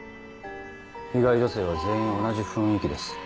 被害女性は全員同じ雰囲気です。